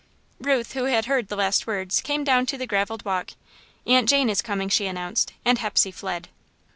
Ruth, who had heard the last words, came down to the gravelled walk. "Aunt Jane is coming," she announced, and Hepsey fled.